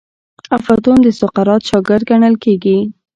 افلاطون د سقراط شاګرد ګڼل کیږي.